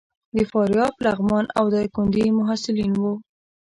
د فاریاب، لغمان او ډایکنډي محصلین وو.